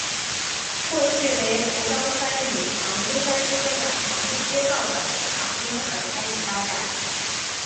过去为福冈藩与唐津藩之间的唐津街道的宿场町而开始发展。